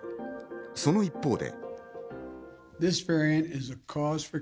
その一方で。